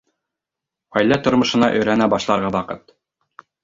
Ғаилә тормошона өйрәнә башларға ваҡыт.